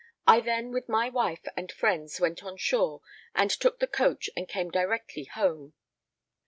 I then with my wife and friends went on shore and took the coach and came directly home.